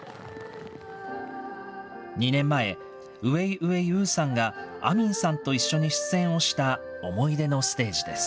２年前、ウェイウェイ・ウーさんがアミンさんと一緒に出演をした思い出のステージです。